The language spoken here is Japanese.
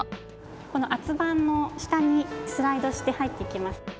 この圧盤の下にスライドして入っていきます。